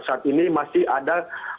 saat ini masih ada